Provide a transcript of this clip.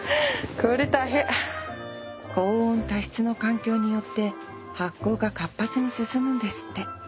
高温多湿の環境によって発酵が活発に進むんですって。